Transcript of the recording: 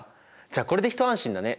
じゃあこれで一安心だね。